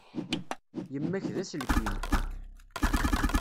Yemma-k d aselkim.